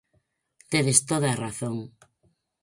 Tedes toda a razón.